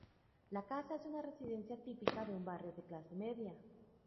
La casa es una residencia típica de un barrio de clase media.